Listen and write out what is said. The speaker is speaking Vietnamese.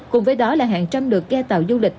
cùng với đó là hàng trăm lượt ghe tàu du lịch